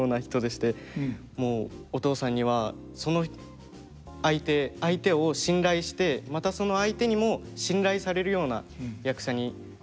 もうお父さんにはその相手相手を信頼してまたその相手にも信頼されるような役者になれと。